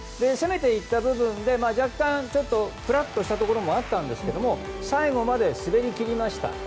攻めていった部分で若干ふらっとしたところもあったんですけども最後まで滑り切りました。